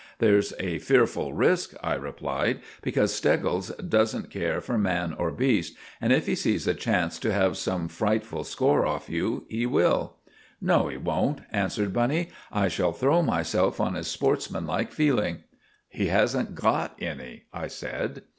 "There's a fearful risk," I replied, "because Steggles doesn't care for man or beast, and if he sees a chance to have some frightful score off you, he will." "No, he won't," answered Bunny. "I shall throw myself on his sportsmanlike feeling." "He hasn't got any," I said.